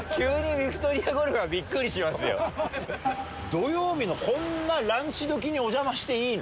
土曜日のこんなランチ時にお邪魔していいの？